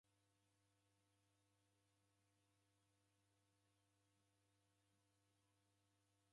Vilongozi w'aja w'imangishiro kazi waenjwa kotinyi.